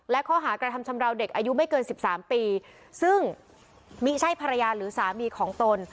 และข้อหากระทำชำราวเด็กอายุไม่เกินสิบสามปีซึ่งไม่ใช่ภรรยาหรือสามีของตน